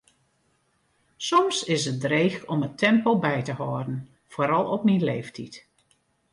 Soms is it dreech om it tempo by te hâlden, foaral op myn leeftiid.